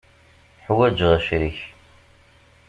Ḥwaǧeɣ acrik.